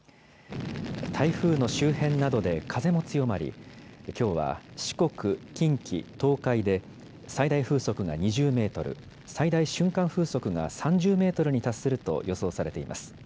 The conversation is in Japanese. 台風の周辺などで風も強まり、きょうは四国、近畿、東海で最大風速が２０メートル、最大瞬間風速が３０メートルに達すると予想されています。